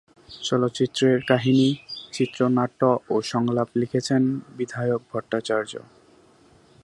চলচ্চিত্রের কাহিনী, চিত্রনাট্য ও সংলাপ লিখেছেন বিধায়ক ভট্টাচার্য।